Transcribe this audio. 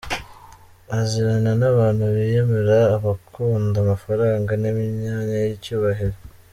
Azirana n’abantu biyemera, abakunda amafaranga n’imyanya y’icyubahiro.